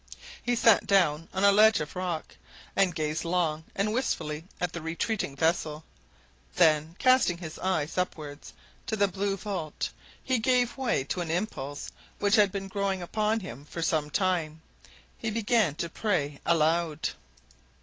He sat down on a ledge of rock, and gazed long and wistfully at the retreating vessel. Then, casting his eyes upwards to the blue vault, he gave way to an impulse which had been growing upon him for some time he began to pray aloud.